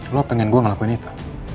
lo pengen gue ngelakuin itu